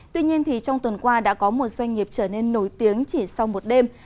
tuy nhiên trong tuần qua đã có một doanh nghiệp trở nên nổi tiếng chỉ sau một đêm